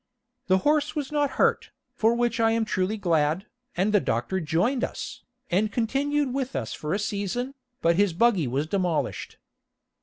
The horse was not hurt, for which I am truly glad, and the doctor joined us, and continued with us for a season, but his buggy was demolished.